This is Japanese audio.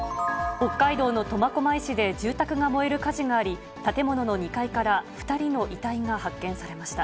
北海道の苫小牧市で住宅が燃える火事があり、建物の２階から２人の遺体が発見されました。